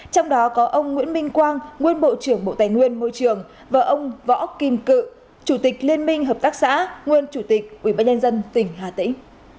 trong đó có ông nguyễn minh quang nguyên bộ trưởng bộ tài nguyên môi trường và ông võ kim cự chủ tịch liên minh hợp tác xã nguyên chủ tịch ubnd tỉnh hà tĩnh